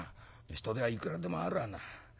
人手はいくらでもあるわな。